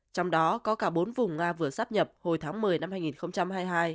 trong đó có cả bốn vùng nga vừa sắp nhập hồi tháng một mươi năm hai nghìn hai mươi hai